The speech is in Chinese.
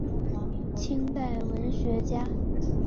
清代文学家。